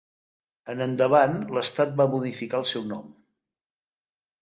En endavant l'estat va modificar el seu nom.